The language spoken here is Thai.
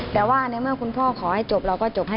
แต่ก็ยังคงยืนยันว่า